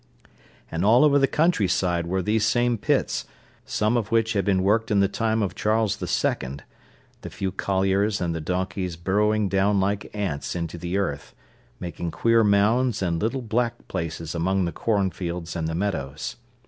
And all over the countryside were these same pits, some of which had been worked in the time of Charles II., the few colliers and the donkeys burrowing down like ants into the earth, making queer mounds and little black places among the corn fields and the meadows.